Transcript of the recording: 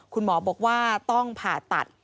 คุณหมอบอกว่าต้องผ่าตัด